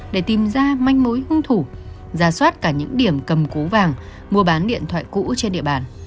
để tìm ra manh mối hung thủ ra soát cả những điểm cầm cố vàng mua bán điện thoại cũ trên địa bàn